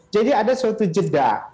jadi ada suatu jeda